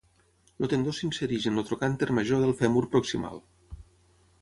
El tendó s'insereix en el trocànter major del fèmur proximal.